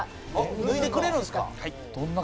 脱いでくれるんすか？